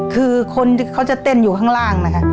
คือคนที่เขาจะเต้นอยู่ข้างล่างนะคะ